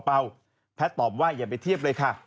แพทย์ตอบว่าอย่าไปเทียบเลยค่ะ